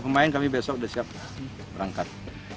dua puluh tiga pemain kami besok sudah siap berangkat